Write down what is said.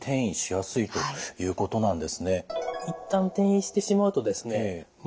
一旦転移してしまうとですね